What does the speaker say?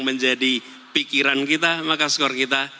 menjadi pikiran kita maka skor kita